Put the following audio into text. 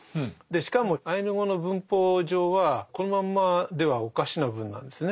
しかもアイヌ語の文法上はこのまんまではおかしな文なんですね。